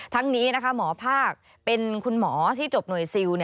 ทั้งนี้นะคะหมอภาคเป็นคุณหมอที่จบหน่วยซิล